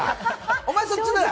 お前、そっちだろ。